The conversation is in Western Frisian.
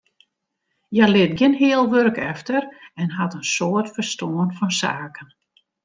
Hja lit gjin heal wurk efter en hat in soad ferstân fan saken.